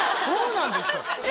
そうなんですか？